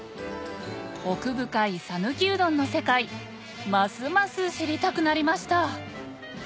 奥深い讃岐うどんの世界ますます知りたくなりました！